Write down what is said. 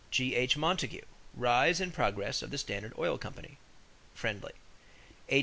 G.H. Montague, Rise and Progress of the Standard Oil Company (Friendly). H.